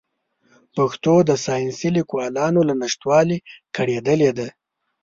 پښتو د ساینسي لیکوالانو له نشتوالي کړېدلې ده.